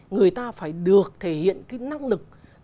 người ta phải được thể hiện cái năng lực giám sát